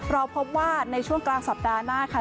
เราพบว่าในช่วงกลางสัปดาห์หน้าค่ะ